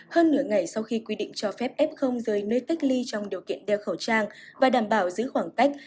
hơn nửa ngày sau khi quy định cho phép f rời nơi cách ly trong điều kiện đeo khẩu trang và đảm bảo giữ khoảng cách